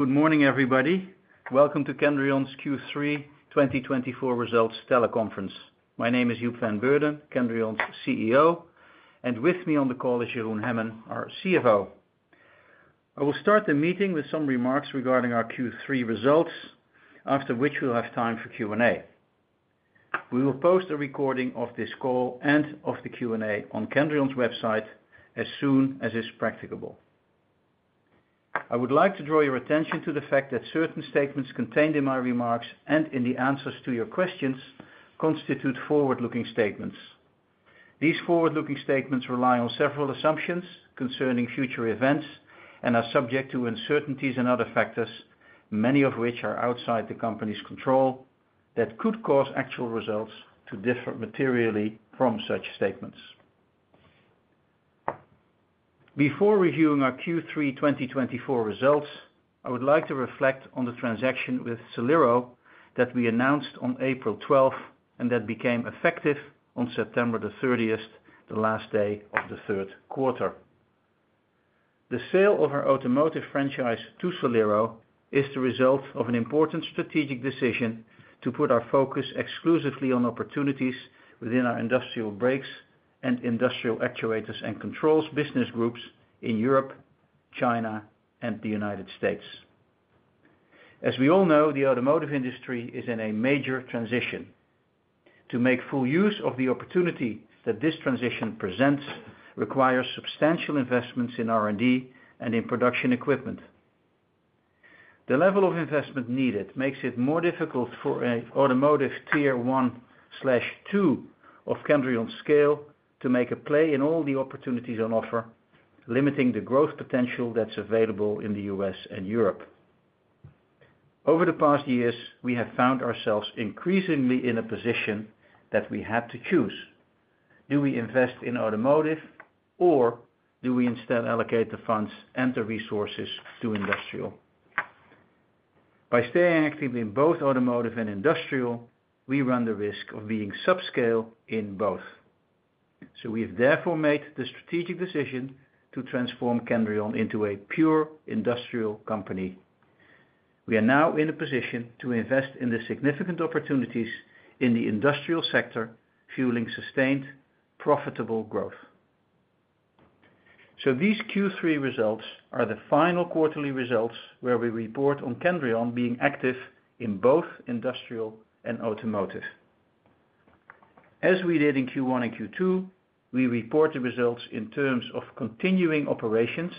Good morning, everybody. Welcome to Kendrion's Q3 2024 results teleconference. My name is Joep van Beurden, Kendrion's CEO, and with me on the call is Jeroen Hemmen, our CFO. I will start the meeting with some remarks regarding our Q3 results, after which we'll have time for Q&A. We will post a recording of this call and of the Q&A on Kendrion's website as soon as is practicable. I would like to draw your attention to the fact that certain statements contained in my remarks and in the answers to your questions constitute forward-looking statements. These forward-looking statements rely on several assumptions concerning future events and are subject to uncertainties and other factors, many of which are outside the company's control, that could cause actual results to differ materially from such statements. Before reviewing our Q3 2024 results, I would like to reflect on the transaction with Solero that we announced on April 12 and that became effective on September 30th, the last day of the third quarter. The sale of our automotive franchise to Solero is the result of an important strategic decision to put our focus exclusively on opportunities within our Industrial Brakes and Industrial Actuators and Controls business groups in Europe, China, and the United States. As we all know, the automotive industry is in a major transition. To make full use of the opportunity that this transition presents requires substantial investments in R&D and in production equipment. The level of investment needed makes it more difficult for an automotive Tier 1 / Tier 2 of Kendrion's scale to make a play in all the opportunities on offer, limiting the growth potential that's available in the U.S. and Europe. Over the past years, we have found ourselves increasingly in a position that we had to choose: do we invest in Automotive, or do we instead allocate the funds and the resources to Industrial? By staying active in both Automotive and Industrial, we run the risk of being subscale in both. So we have therefore made the strategic decision to transform Kendrion into a pure industrial company. We are now in a position to invest in the significant opportunities in the industrial sector, fueling sustained, profitable growth. So these Q3 results are the final quarterly results where we report on Kendrion being active in both industrial and automotive. As we did in Q1 and Q2, we report the results in terms of continuing operations,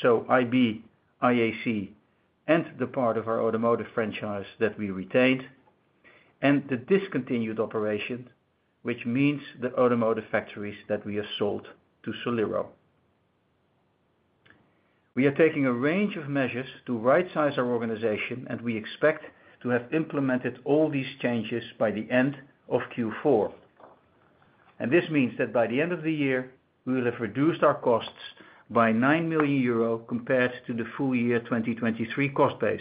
so IB, IAC, and the part of our Automotive franchise that we retained, and the discontinued operation, which means the Automotive factories that we have sold to Solero. We are taking a range of measures to right-size our organization, and we expect to have implemented all these changes by the end of Q4. And this means that by the end of the year, we will have reduced our costs by 9 million euro compared to the full year 2023 cost base.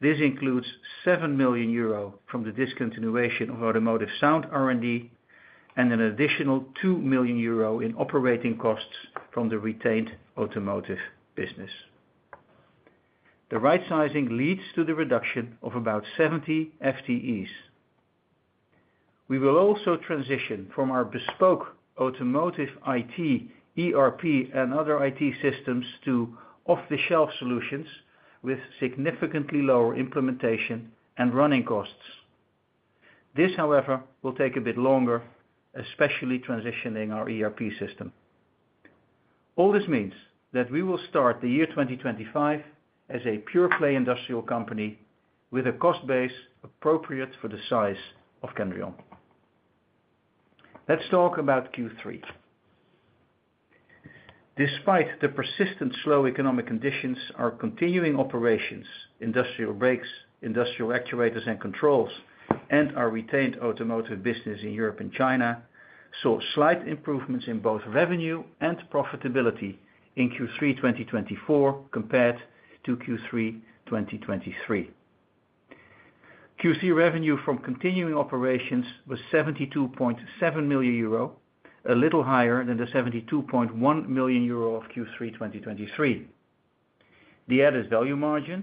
This includes 7 million euro from the discontinuation of Automotive Sound R&D and an additional 2 million euro in operating costs from the retained automotive business. The right-sizing leads to the reduction of about 70 FTEs. We will also transition from our bespoke Automotive IT, ERP, and other IT systems to off-the-shelf solutions with significantly lower implementation and running costs. This, however, will take a bit longer, especially transitioning our ERP system. All this means that we will start the year 2025 as a pure-play industrial company with a cost base appropriate for the size of Kendrion. Let's talk about Q3. Despite the persistent slow economic conditions, our continuing operations, Industrial Brakes, Industrial Actuators and Controls, and our retained automotive business in Europe and China saw slight improvements in both revenue and profitability in Q3 2024 compared to Q3 2023. Q3 revenue from continuing operations was 72.7 million euro, a little higher than the 72.1 million euro of Q3 2023. The added value margin,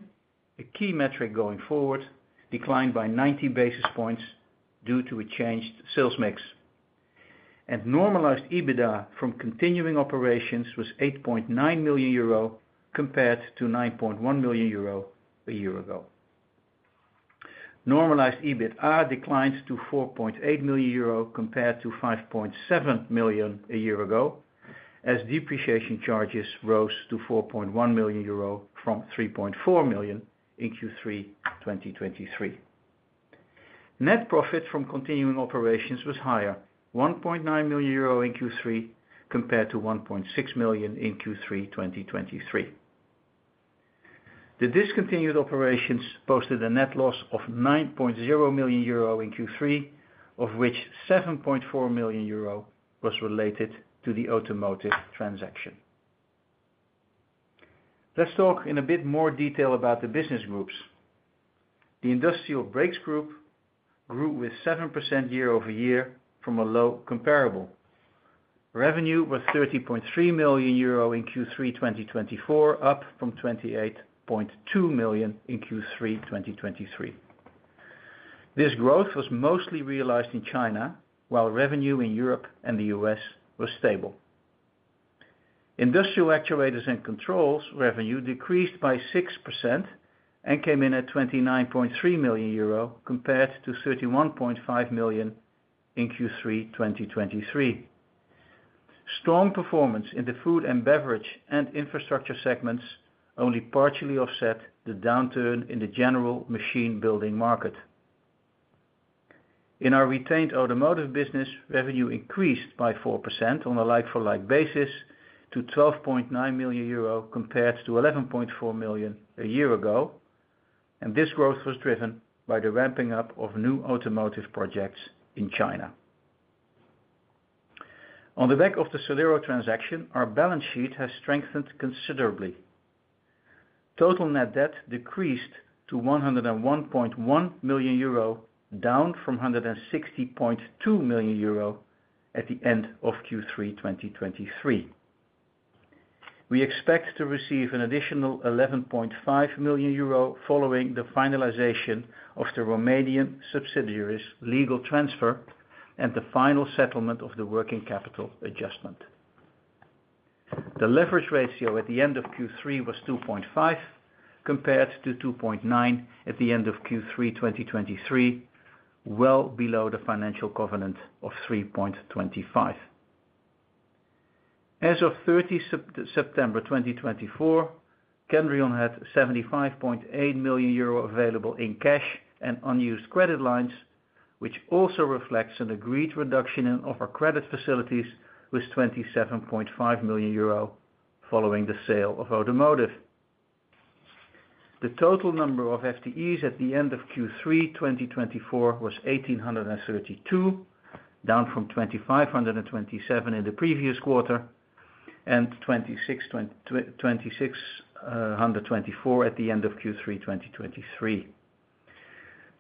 a key metric going forward, declined by 90 basis points due to a changed sales mix. Normalized EBITDA from continuing operations was 8.9 million euro compared to 9.1 million euro a year ago. Normalized EBITA declined to 4.8 million euro compared to 5.7 million a year ago, as depreciation charges rose to 4.1 million euro from 3.4 million in Q3 2023. Net profit from continuing operations was higher, 1.9 million euro in Q3 compared to 1.6 million in Q3 2023. The discontinued operations posted a net loss of 9.0 million euro in Q3, of which 7.4 million euro was related to the Automotive transaction. Let's talk in a bit more detail about the business groups. The Industrial Brakes group grew with 7% year-over-year from a low comparable. Revenue was 30.3 million euro in Q3 2024, up from 28.2 million in Q3 2023. This growth was mostly realized in China, while revenue in Europe and the U.S. was stable. Industrial Actuators and Controls revenue decreased by 6% and came in at 29.3 million euro compared to 31.5 million in Q3 2023. Strong performance in the Food & Beverage and Infrastructure segments only partially offset the downturn in the general machine-building market. In our retained automotive business, revenue increased by 4% on a like-for-like basis to 12.9 million euro compared to 11.4 million a year ago, and this growth was driven by the ramping up of new Automotive projects in China. On the back of the Solero transaction, our balance sheet has strengthened considerably. Total net debt decreased to 101.1 million euro, down from 160.2 million euro at the end of Q3 2023. We expect to receive an additional 11.5 million euro following the finalization of the Romanian subsidiary's legal transfer and the final settlement of the working capital adjustment. The leverage ratio at the end of Q3 was 2.5x compared to 2.9x at the end of Q3 2023, well below the financial covenant of 3.25x. As of 30 September 2024, Kendrion had 75.8 million euro available in cash and unused credit lines, which also reflects an agreed reduction in our credit facilities with 27.5 million euro following the sale of Automotive. The total number of FTEs at the end of Q3 2024 was 1,832, down from 2,527 in the previous quarter and 2,624 at the end of Q3 2023.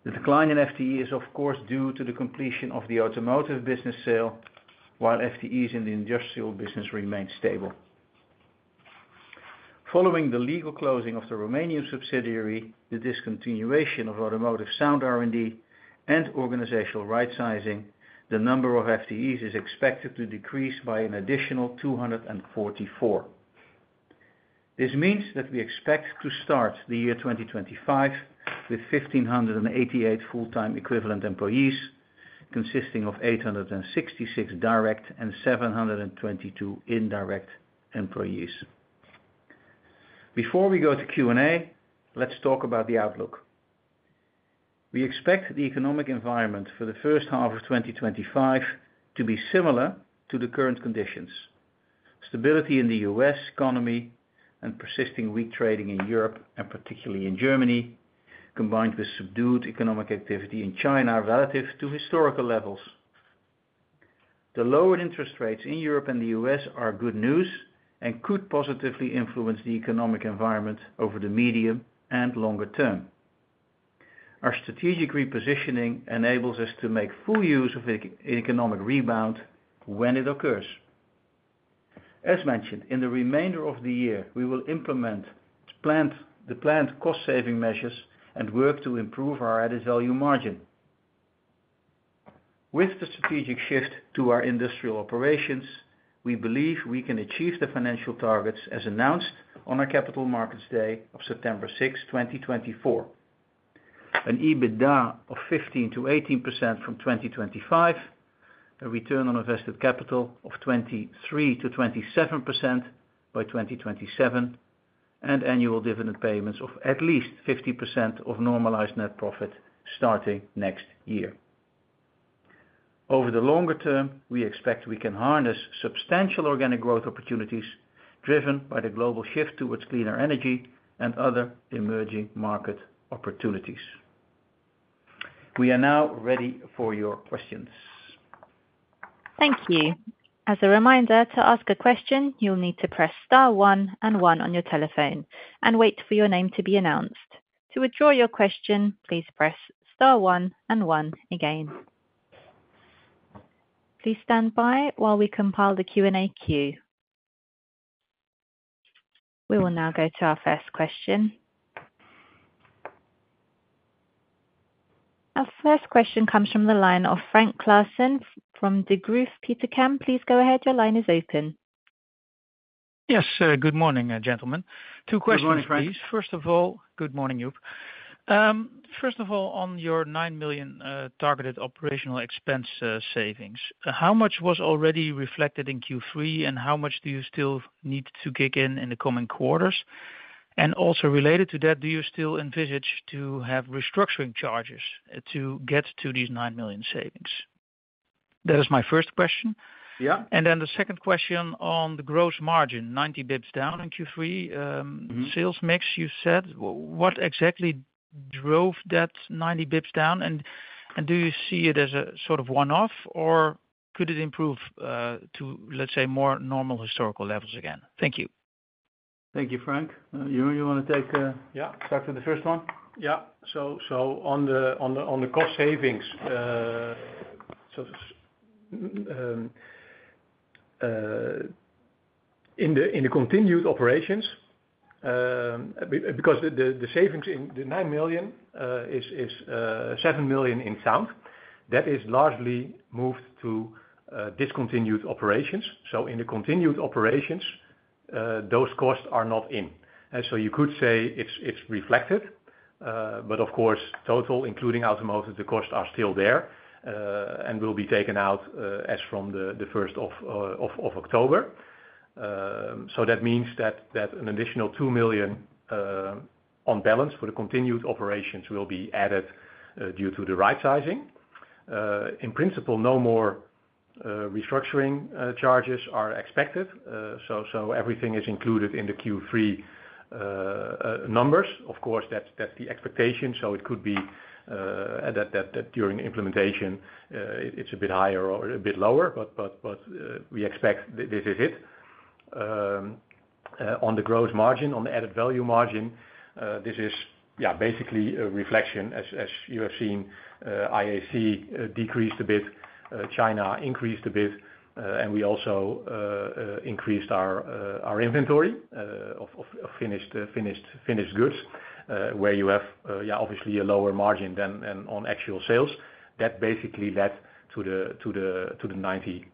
The decline in FTE is, of course, due to the completion of the Automotive business sale, while FTEs in the Industrial business remain stable. Following the legal closing of the Romanian subsidiary, the discontinuation of Automotive Sound R&D, and organizational right-sizing, the number of FTEs is expected to decrease by an additional 244. This means that we expect to start the year 2025 with 1,588 full-time equivalent employees, consisting of 866 direct and 722 indirect employees. Before we go to Q&A, let's talk about the outlook. We expect the economic environment for the first half of 2025 to be similar to the current conditions: stability in the U.S. economy and persisting weak trading in Europe and particularly in Germany, combined with subdued economic activity in China relative to historical levels. The lowered interest rates in Europe and the U.S. are good news and could positively influence the economic environment over the medium and longer term. Our strategic repositioning enables us to make full use of the economic rebound when it occurs. As mentioned, in the remainder of the year, we will implement the planned cost-saving measures and work to improve our added value margin. With the strategic shift to our industrial operations, we believe we can achieve the financial targets as announced on our Capital Markets Day of September 6, 2024: an EBITDA of 15%-18% from 2025, a return on invested capital of 23%-27% by 2027, and annual dividend payments of at least 50% of normalized net profit starting next year. Over the longer term, we expect we can harness substantial organic growth opportunities driven by the global shift towards cleaner energy and other emerging market opportunities. We are now ready for your questions. Thank you. As a reminder, to ask a question, you'll need to press star one and one on your telephone and wait for your name to be announced. To withdraw your question, please press star one and one again. Please stand by while we compile the Q&A queue. We will now go to our first question. Our first question comes from the line of Frank Claassen from Degroof Petercam. Please go ahead. Your line is open. Yes, good morning, gentlemen. Two questions, please. Good morning, Frank. First of all, good morning, Joep. First of all, on your 9 million targeted operational expense savings, how much was already reflected in Q3, and how much do you still need to kick in in the coming quarters, and also related to that, do you still envisage to have restructuring charges to get to these 9 million savings? That is my first question. Yeah. And then the second question on the gross margin, 90 basis points down in Q3 sales mix, you said. What exactly drove that 90 basis points down? And do you see it as a sort of one-off, or could it improve to, let's say, more normal historical levels again? Thank you. Thank you, Frank. Jeroen, you want to start with the first one? Yeah. So on the cost savings, in the continued operations, because the savings in the 9 million is 7 million in sound, that is largely moved to discontinued operations. So in the continued operations, those costs are not in. And so you could say it's reflected, but of course, total, including Automotive, the costs are still there and will be taken out as from the 1st October. So that means that an additional 2 million on balance for the continued operations will be added due to the right-sizing. In principle, no more restructuring charges are expected. So everything is included in the Q3 numbers. Of course, that's the expectation. So it could be that during implementation, it's a bit higher or a bit lower, but we expect this is it. On the gross margin, on the added value margin, this is basically a reflection. As you have seen, IAC decreased a bit, China increased a bit, and we also increased our inventory of finished goods, where you have obviously a lower margin than on actual sales. That basically led to the 90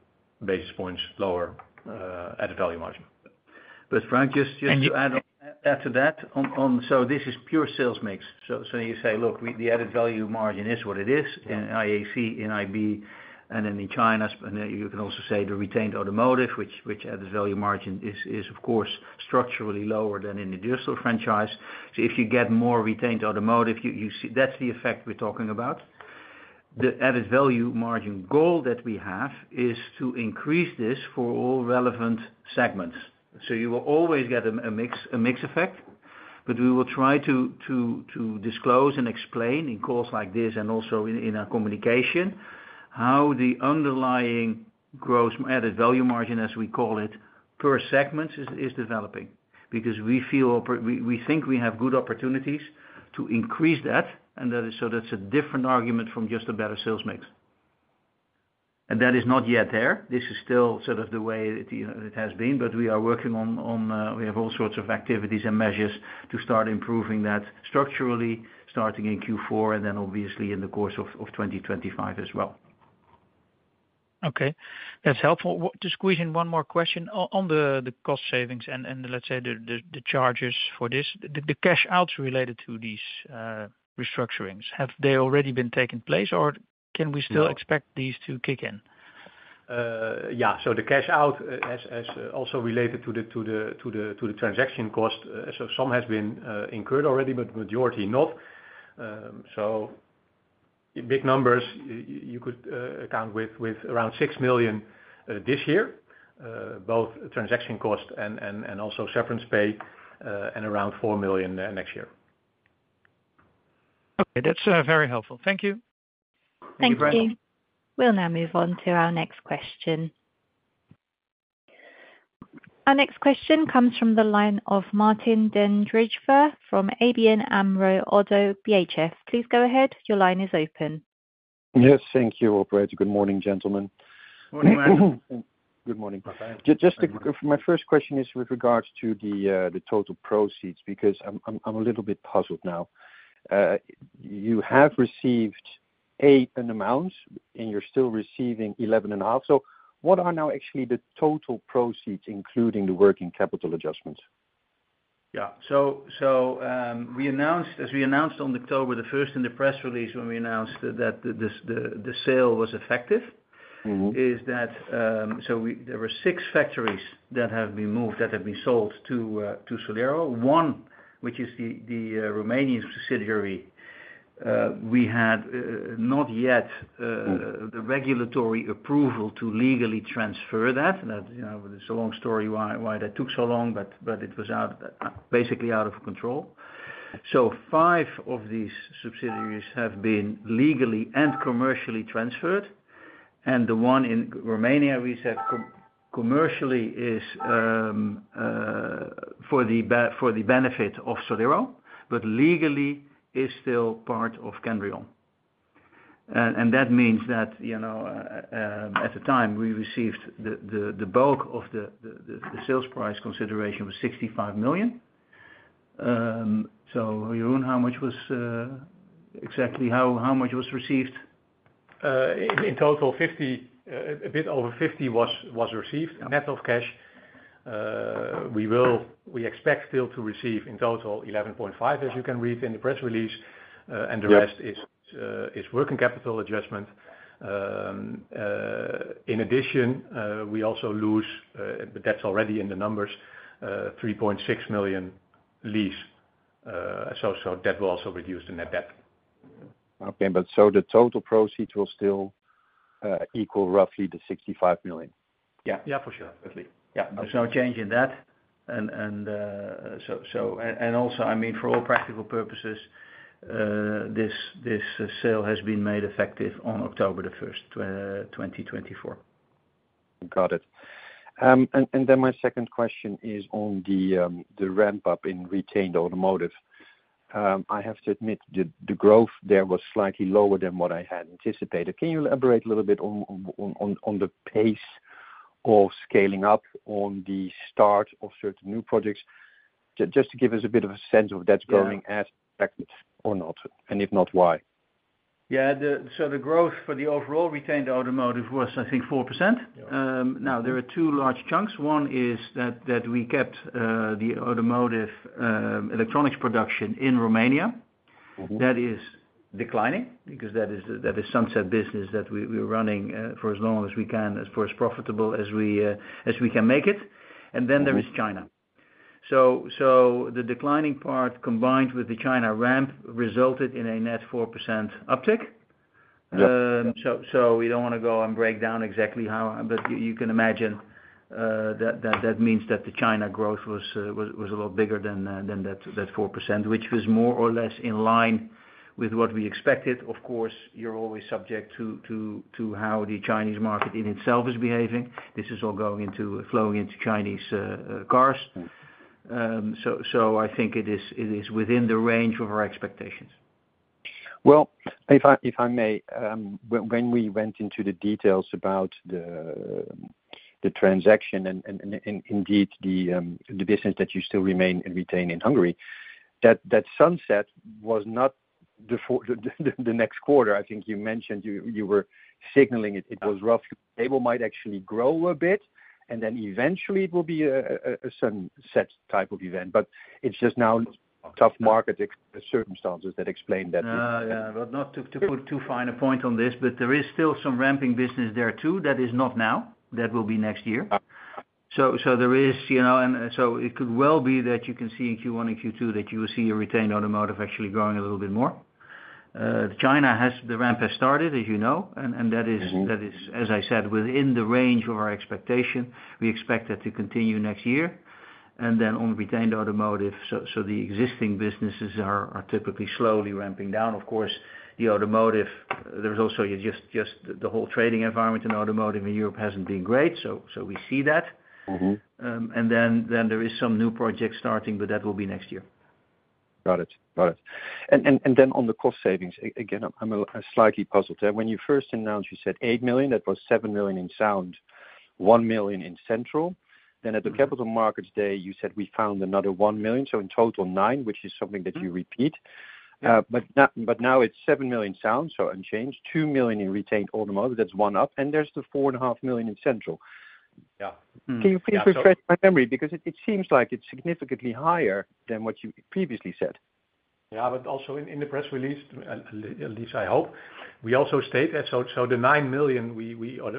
basis points lower added value margin. But Frank, just to add to that, so this is pure sales mix. So you say, "Look, the added value margin is what it is in IAC, in IB, and then in China." You can also say the retained automotive, which added value margin is, of course, structurally lower than in the Industrial franchise. So if you get more retained automotive, that's the effect we're talking about. The added value margin goal that we have is to increase this for all relevant segments. So you will always get a mixed effect, but we will try to disclose and explain in calls like this and also in our communication how the underlying gross added value margin, as we call it, per segment is developing, because we think we have good opportunities to increase that. And so that's a different argument from just a better sales mix. That is not yet there. This is still sort of the way it has been, but we are working on. We have all sorts of activities and measures to start improving that structurally, starting in Q4 and then obviously in the course of 2025 as well. Okay. That's helpful. Just question, one more question on the cost savings and, let's say, the charges for this. The cash outs related to these restructurings, have they already been taken place, or can we still expect these to kick in? Yeah. So the cash out has also related to the transaction cost. So some has been incurred already, but the majority not. So big numbers, you could account with around 6 million this year, both transaction cost and also severance pay, and around 4 million next year. Okay. That's very helpful. Thank you. Thank you. We'll now move on to our next question. Our next question comes from the line of Martijn den Drijver from ABN AMRO-ODDO BHF. Please go ahead. Your line is open. Yes. Thank you, operator. Good morning, gentlemen. Good morning, Frank. Good morning. My first question is with regards to the total proceeds, because I'm a little bit puzzled now. You have received 8 million, and you're still receiving 11.5 million. So what are now actually the total proceeds, including the working capital adjustment? Yeah, so as we announced on October the first in the press release when we announced that the sale was effective, is that there were six factories that have been moved, that have been sold to Solero. One, which is the Romanian subsidiary, we had not yet the regulatory approval to legally transfer that. It's a long story why that took so long, but it was basically out of control, so five of these subsidiaries have been legally and commercially transferred. And the one in Romania, we said commercially is for the benefit of Solero, but legally is still part of Kendrion. And that means that at the time, we received the bulk of the sales price consideration was 65 million, so Jeroen, how much was exactly, how much was received? In total, a bit over 50 million was received net of cash. We expect still to receive in total 11.5 million, as you can read in the press release, and the rest is working capital adjustment. In addition, we also lose, but that's already in the numbers, 3.6 million lease. So that will also reduce the net debt. Okay. But so the total proceeds will still equal roughly 65 million? Yeah. Yeah, for sure. Yeah. There's no change in that, and also, I mean, for all practical purposes, this sale has been made effective on October 1st, 2024. Got it. And then my second question is on the ramp-up in retained automotive. I have to admit the growth there was slightly lower than what I had anticipated. Can you elaborate a little bit on the pace of scaling up on the start of certain new projects, just to give us a bit of a sense of that's growing as expected or not? And if not, why? Yeah. So the growth for the overall retained automotive was, I think, 4%. Now, there are two large chunks. One is that we kept the Automotive Electronics production in Romania. That is declining, because that is sunset business that we're running for as long as we can, as profitable as we can make it. And then there is China. So the declining part combined with the China ramp resulted in a net 4% uptick. So we don't want to go and break down exactly how, but you can imagine that that means that the China growth was a lot bigger than that 4%, which was more or less in line with what we expected. Of course, you're always subject to how the Chinese market in itself is behaving. This is all flowing into Chinese cars. So I think it is within the range of our expectations. If I may, when we went into the details about the transaction and indeed the business that you still retain in Hungary, that sunset was not the next quarter. I think you mentioned you were signaling it was roughly stable, might actually grow a bit, and then eventually it will be a sunset type of event. But it's just now tough market circumstances that explain that. Yeah, but not to put too fine a point on this, but there is still some ramping business there too that is not now. That will be next year, so there is, and so it could well be that you can see in Q1 and Q2 that you will see a retained automotive actually growing a little bit more. China, the ramp has started, as you know, and that is, as I said, within the range of our expectation. We expect that to continue next year. And then on retained automotive, so the existing businesses are typically slowly ramping down. Of course, the automotive, there's also just the whole trading environment in automotive in Europe hasn't been great. So we see that. And then there is some new projects starting, but that will be next year. Got it. Got it. And then on the cost savings, again, I'm slightly puzzled there. When you first announced, you said 8 million. That was 7 million in Sound, 1 million in Central. Then at the Capital Markets Day, you said we found another 1 million. So in total, 9, which is something that you repeat. But now it's 7 million Sound, so unchanged, 2 million in retained automotive. That's one up. And there's the 4.5 million in central. Yeah. Can you please refresh my memory? Because it seems like it's significantly higher than what you previously said. Yeah. But also in the press release, at least I hope, we also state that so the 9 million,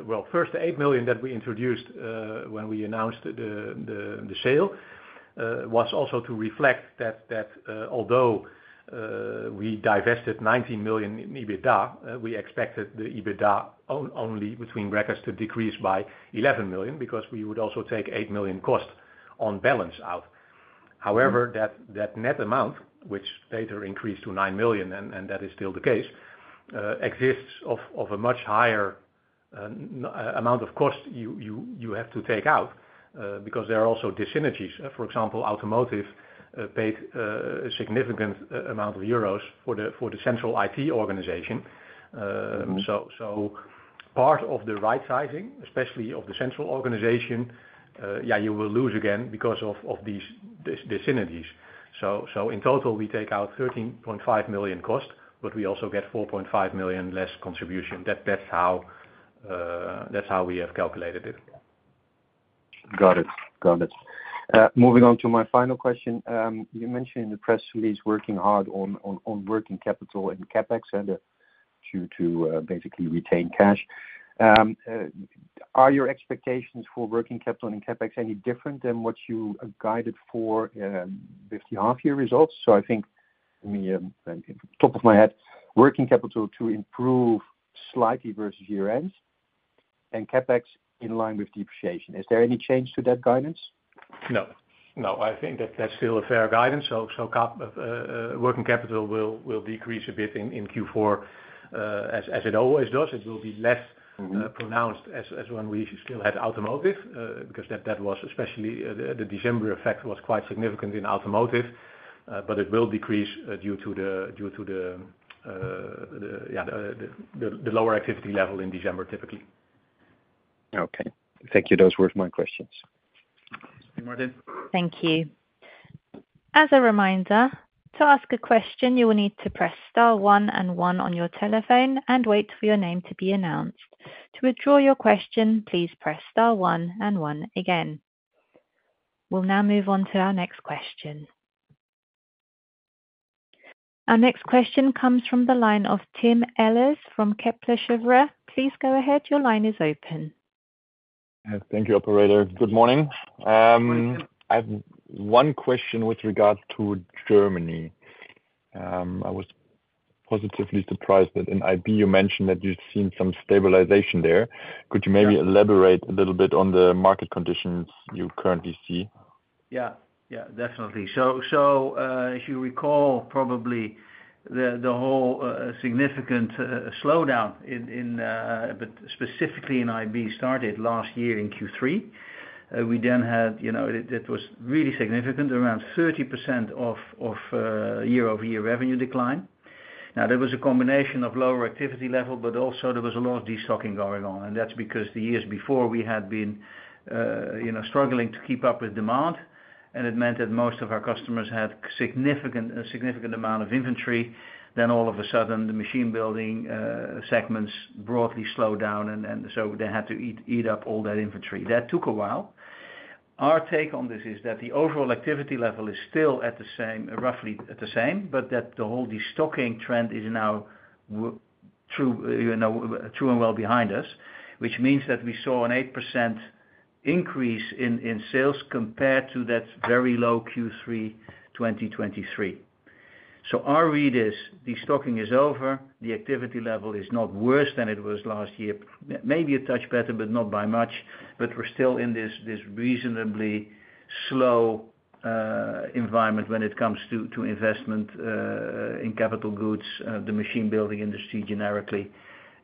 well, first the 8 million that we introduced when we announced the sale was also to reflect that although we divested 19 million in EBITDA, we expected the EBITDA only between brackets to decrease by 11 million because we would also take 8 million cost on balance out. However, that net amount, which later increased to 9 million, and that is still the case, exists of a much higher amount of cost you have to take out because there are also dyssynergies, for example, automotive paid a significant amount of euros for the Central IT organization. So part of the right-sizing, especially of the Central organization, yeah, you will lose again because of these dyssynergies. In total, we take out 13.5 million cost, but we also get 4.5 million less contribution. That's how we have calculated it. Got it. Got it. Moving on to my final question. You mentioned in the press release working hard on working capital and CapEx to basically retain cash. Are your expectations for working capital and CapEx any different than what you guided for with the half-year results? So I think, top of my head, working capital to improve slightly versus year-end and CapEx in line with depreciation. Is there any change to that guidance? No. No. I think that's still a fair guidance. So working capital will decrease a bit in Q4, as it always does. It will be less pronounced as when we still had Automotive, because that was especially the December effect was quite significant in Automotive, but it will decrease due to the lower activity level in December, typically. Okay. Thank you. Those were my questions. Thank you, Martijn. Thank you. As a reminder, to ask a question, you will need to press star one and one on your telephone and wait for your name to be announced. To withdraw your question, please press star one and one again. We'll now move on to our next question. Our next question comes from the line of Tim Ehlers from Kepler Cheuvreux. Please go ahead. Your line is open. Thank you, operator. Good morning. I have one question with regards to Germany. I was positively surprised that in IB you mentioned that you've seen some stabilization there. Could you maybe elaborate a little bit on the market conditions you currently see? Yeah. Yeah. Definitely. So if you recall, probably the whole significant slowdown, but specifically in IB, started last year in Q3. We then had that was really significant, around 30% of year-over-year revenue decline. Now, there was a combination of lower activity level, but also there was a lot of destocking going on. And that's because the years before, we had been struggling to keep up with demand. And it meant that most of our customers had a significant amount of inventory. Then all of a sudden, the machine-building segments broadly slowed down, and so they had to eat up all that inventory. That took a while. Our take on this is that the overall activity level is still roughly the same, but that the whole destocking trend is now true and well behind us, which means that we saw an 8% increase in sales compared to that very low Q3 2023. So our read is destocking is over. The activity level is not worse than it was last year, maybe a touch better, but not by much. But we're still in this reasonably slow environment when it comes to investment in capital goods, the machine-building industry generically,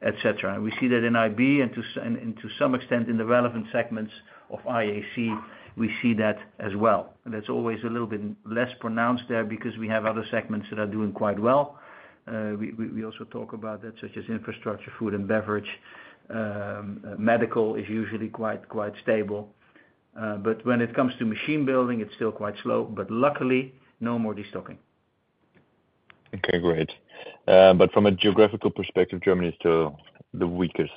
etc. We see that in IB, and to some extent in the relevant segments of IAC, we see that as well. And that's always a little bit less pronounced there because we have other segments that are doing quite well. We also talk about that, such as Infrastructure, Food & Beverage. Medical is usually quite stable. But when it comes to machine-building, it's still quite slow. But luckily, no more destocking. Okay. Great. But from a geographical perspective, Germany is still the weakest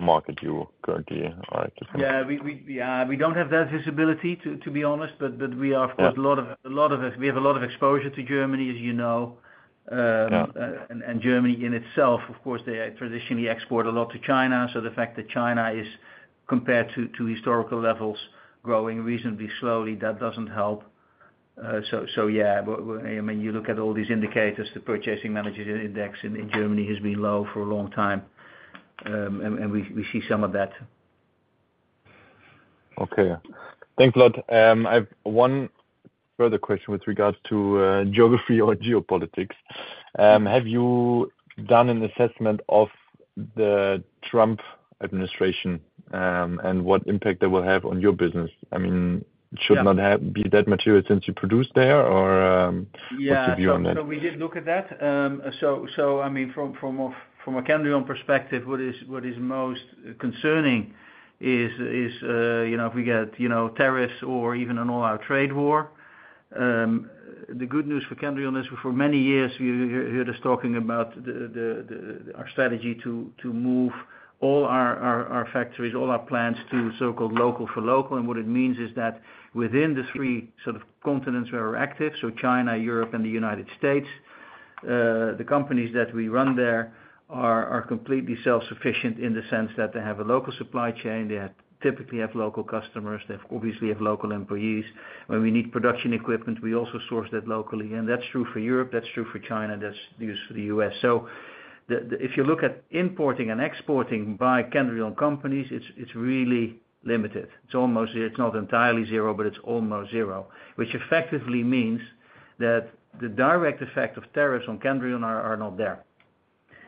market you currently are at this moment. Yeah. We don't have that visibility, to be honest. But we are, of course, we have a lot of exposure to Germany, as you know. And Germany in itself, of course, they traditionally export a lot to China. So the fact that China is, compared to historical levels, growing reasonably slowly, that doesn't help. So yeah, I mean, you look at all these indicators. The Purchasing Managers' Index in Germany has been low for a long time, and we see some of that. Okay. Thanks for that. I have one further question with regards to geography or geopolitics. Have you done an assessment of the Trump administration and what impact that will have on your business? I mean, it should not be that material since you produce there, or what's your view on that? Yeah. So we did look at that. So I mean, from a Kendrion perspective, what is most concerning is if we get tariffs or even an all-out trade war. The good news for Kendrion is for many years, you've heard us talking about our strategy to move all our factories, all our plants to so-called local-for-local. And what it means is that within the three sort of continents where we're active, so China, Europe, and the United States, the companies that we run there are completely self-sufficient in the sense that they have a local supply chain. They typically have local customers. They obviously have local employees. When we need production equipment, we also source that locally. And that's true for Europe. That's true for China. That's true for the U.S. So if you look at importing and exporting by Kendrion companies, it's really limited. It's not entirely zero, but it's almost zero, which effectively means that the direct effect of tariffs on Kendrion are not there.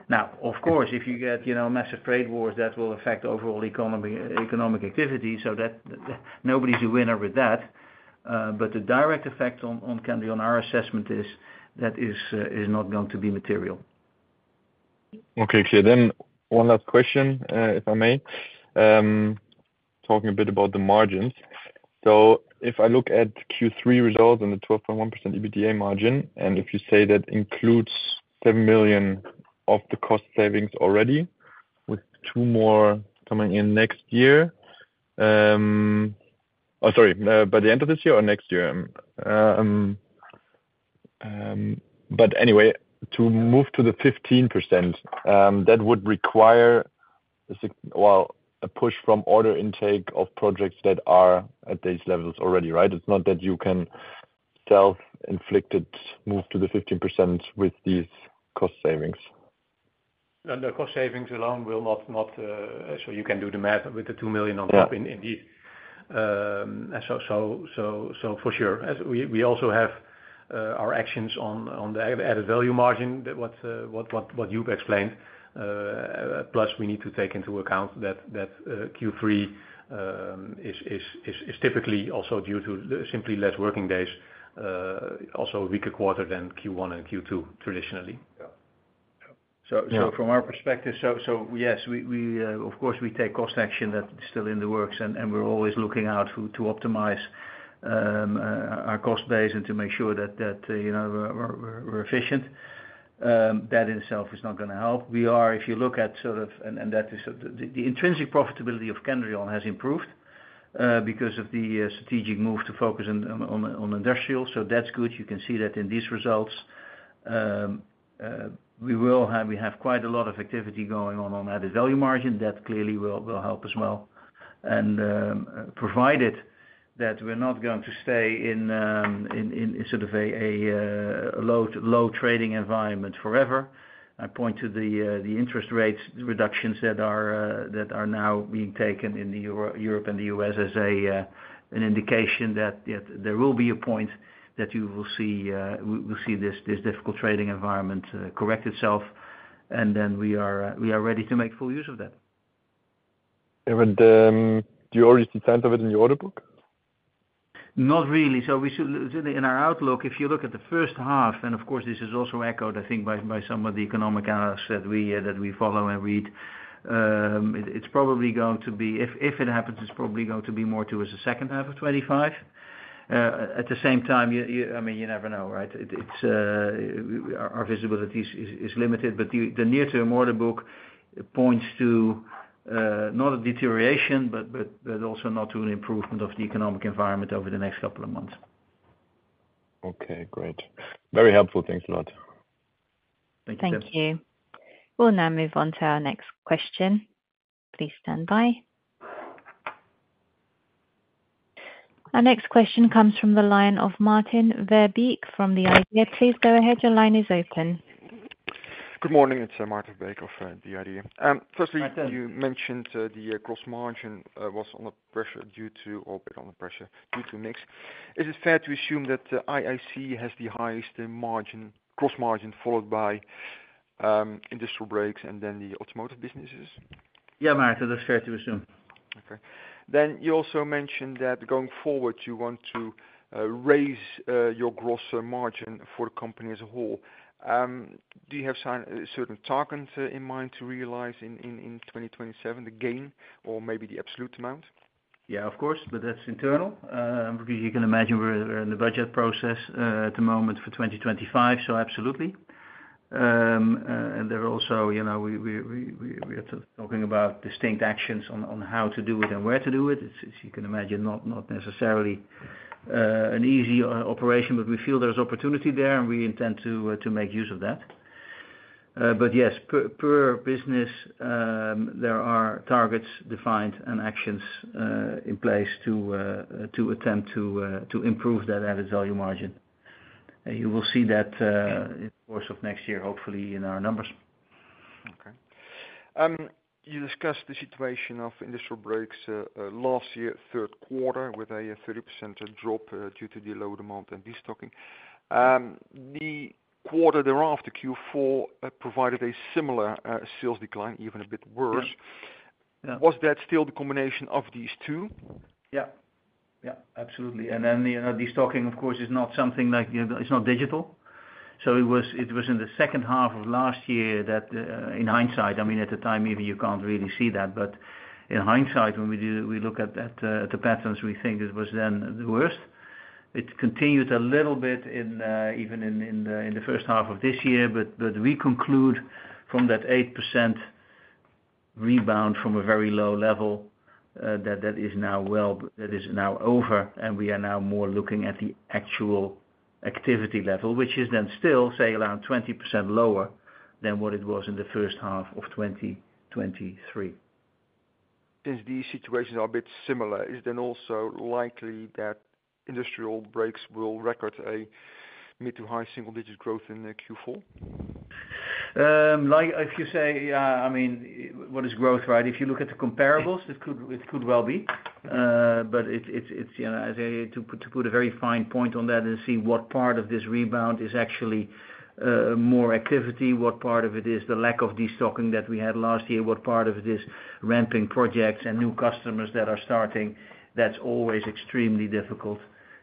Now, of course, if you get massive trade wars, that will affect overall economic activity. So nobody's a winner with that. But the direct effect on Kendrion, our assessment is that is not going to be material. Okay. Then one last question, if I may, talking a bit about the margins. So if I look at Q3 results and the 12.1% EBITDA margin, and if you say that includes 7 million of the cost savings already with two more coming in next year. Oh, sorry, by the end of this year or next year. But anyway, to move to the 15%, that would require, well, a push from order intake of projects that are at these levels already, right? It's not that you can self-inflicted move to the 15% with these cost savings. And the cost savings alone will not. So you can do the math with the 2 million on top. Indeed. So for sure. We also have our actions on the added value margin, what you've explained. Plus, we need to take into account that Q3 is typically also due to simply less working days, also a weaker quarter than Q1 and Q2 traditionally. Yeah. So from our perspective, so yes, of course, we take cost action that is still in the works, and we're always looking out to optimize our cost base and to make sure that we're efficient. That in itself is not going to help. We are, if you look at sort of and that is the intrinsic profitability of Kendrion has improved because of the strategic move to focus on Industrial. So that's good. You can see that in these results. We have quite a lot of activity going on added value margin. That clearly will help as well. Provided that we're not going to stay in sort of a low trading environment forever, I point to the interest rate reductions that are now being taken in Europe and the U.S. as an indication that there will be a point that you will see this difficult trading environment correct itself, and then we are ready to make full use of that. Do you already see signs of it in your order book? Not really. So in our outlook, if you look at the first half, and of course, this is also echoed, I think, by some of the economic analysts that we follow and read, it's probably going to be if it happens, it's probably going to be more towards the second half of 2025. At the same time, I mean, you never know, right? Our visibility is limited. But the near-term order book points to not a deterioration, but also not to an improvement of the economic environment over the next couple of months. Okay. Great. Very helpful. Thanks for that. Thank you. Thank you. We'll now move on to our next question. Please stand by. Our next question comes from the line of Maarten Verbeek from The Idea. Please go ahead. Your line is open. Good morning. It's Maarten Verbeek of The IDEA!. Firstly, you mentioned the gross margin was under pressure due to or a bit under pressure due to a mix. Is it fair to assume that IAC has the highest margin, gross margin, followed by Industrial Brakes and then the Automotive businesses? Yeah, Martin, that's fair to assume. Okay. Then you also mentioned that going forward, you want to raise your gross margin for the company as a whole. Do you have certain targets in mind to realize in 2027, the gain or maybe the absolute amount? Yeah, of course. But that's internal. You can imagine we're in the budget process at the moment for 2025, so absolutely. And there are also, we are talking about distinct actions on how to do it and where to do it. As you can imagine, not necessarily an easy operation, but we feel there's opportunity there, and we intend to make use of that. But yes, per business, there are targets defined and actions in place to attempt to improve that added value margin. And you will see that in the course of next year, hopefully, in our numbers. Okay. You discussed the situation of Industrial Brakes last year, third quarter, with a 30% drop due to the low demand and destocking. The quarter thereafter, Q4, provided a similar sales decline, even a bit worse. Was that still the combination of these two? Yeah. Yeah. Absolutely. And then the destocking, of course, is not something like it's not digital. So it was in the second half of last year that, in hindsight, I mean, at the time, even you can't really see that. But in hindsight, when we look at the patterns, we think it was then the worst. It continued a little bit even in the first half of this year. But we conclude from that 8% rebound from a very low level that is now, well, that is now over, and we are now more looking at the actual activity level, which is then still, say, around 20% lower than what it was in the first half of 2023. Since these situations are a bit similar, is it then also likely that Industrial Brakes will record a mid to high single-digit growth in Q4? If you say, yeah, I mean, what is growth, right? If you look at the comparables, it could well be. But to put a very fine point on that and see what part of this rebound is actually more activity, what part of it is the lack of destocking that we had last year, what part of it is ramping projects and new customers that are starting, that's always extremely difficult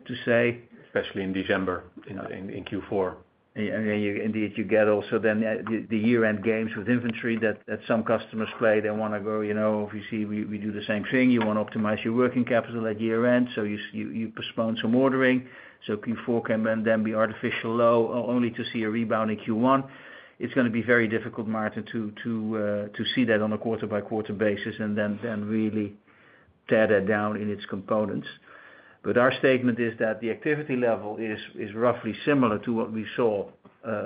to say. Especially in December in Q4. Yeah. Indeed, you get also then the year-end games with inventory that some customers play and want to go, "Oh, if you see, we do the same thing. You want to optimize your working capital at year-end, so you postpone some ordering." So Q4 can then be artificially low only to see a rebound in Q1. It's going to be very difficult, Maarten, to see that on a quarter-by-quarter basis and then really tear that down in its components. But our statement is that the activity level is roughly similar to what we saw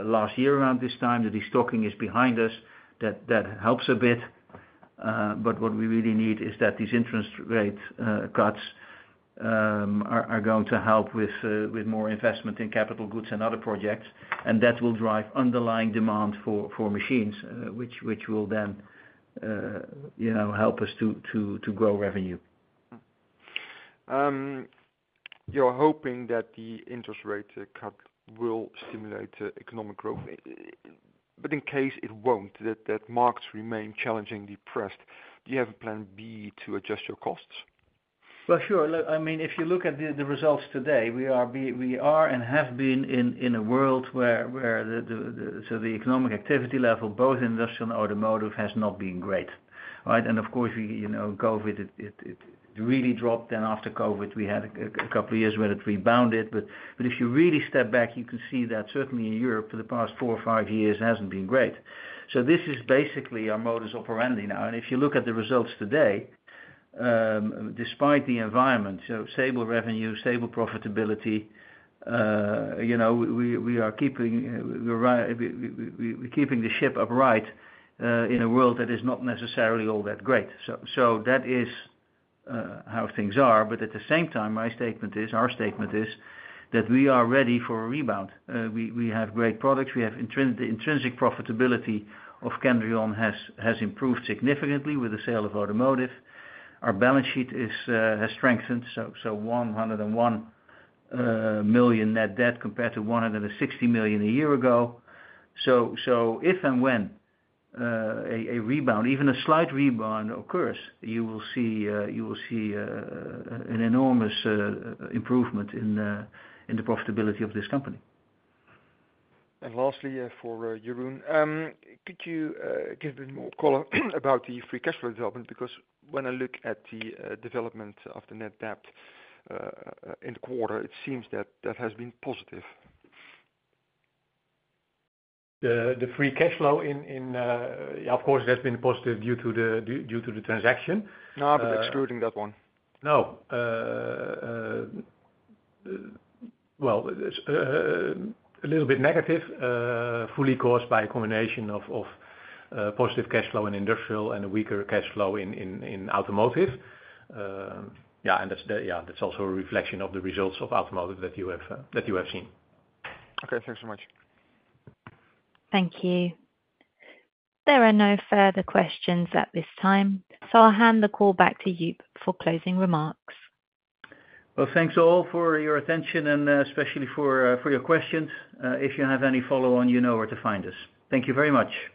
last year around this time, that destocking is behind us, that helps a bit. But what we really need is that these interest rate cuts are going to help with more investment in capital goods and other projects. And that will drive underlying demand for machines, which will then help us to grow revenue. You're hoping that the interest rate cut will stimulate economic growth. But in case it won't, that markets remain challengingly pressed, do you have a plan B to adjust your costs? Well, sure. I mean, if you look at the results today, we are and have been in a world where so the economic activity level, both Industrial and Automotive, has not been great, right? And of course, COVID, it really dropped. Then after COVID, we had a couple of years where it rebounded. But if you really step back, you can see that certainly in Europe, for the past four or five years, it hasn't been great. So this is basically our modus operandi now. And if you look at the results today, despite the environment, so stable revenue, stable profitability, we are keeping the ship upright in a world that is not necessarily all that great. So that is how things are. But at the same time, my statement is, our statement is that we are ready for a rebound. We have great products. The intrinsic profitability of Kendrion has improved significantly with the sale of Automotive. Our balance sheet has strengthened, so 101 million net debt compared to 160 million a year ago. So if and when a rebound, even a slight rebound occurs, you will see an enormous improvement in the profitability of this company. And lastly, for Jeroen, could you give a bit more color about the free cash flow development? Because when I look at the development of the net debt in the quarter, it seems that that has been positive. The free cash flow in, yeah, of course, it has been positive due to the transaction. No, I've been excluding that one. No. Well, a little bit negative, fully caused by a combination of positive cash flow in Industrial and a weaker cash flow in Automotive. Yeah. And that's also a reflection of the results of automotive that you have seen. Okay. Thanks so much. Thank you. There are no further questions at this time. So I'll hand the call back to Joep for closing remarks. Thanks all for your attention and especially for your questions. If you have any follow-on, you know where to find us. Thank you very much.